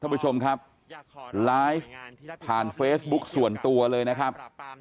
ท่านผู้ชมครับไลฟ์ผ่านเฟซบุ๊กส่วนตัวเลยนะครับ